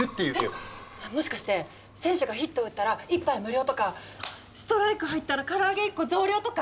えっもしかして選手がヒットを打ったら１杯無料とかストライク入ったら唐揚げ１個増量とか！